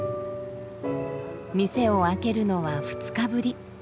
店を開けるのは２日ぶり。